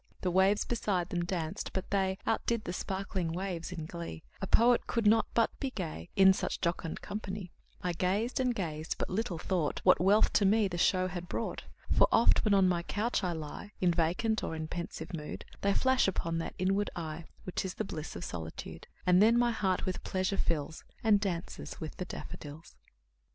The waves beside them danced; but they Outdid the sparkling waves in glee; A poet could not but be gay, In such a jocund company; I gazed and gazed but little thought What wealth to me the show had brought: For oft, when on my couch I lie In vacant or in pensive mood, They flash upon that inward eye Which is the bliss of solitude; And then my heart with pleasure fills, And dances with the daffodils.